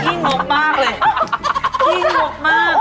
พี่โง่บมาก